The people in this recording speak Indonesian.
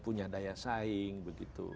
punya daya saing begitu